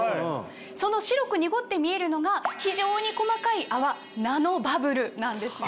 その白く濁って見えるのが非常に細かい泡ナノバブルなんですね。